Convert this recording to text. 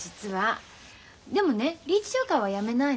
でもねリーチ商会は辞めないの。